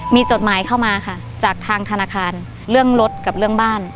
มีจดหมายเข้ามาค่ะจากทางธนาคารเรื่องรถกับเรื่องบ้าน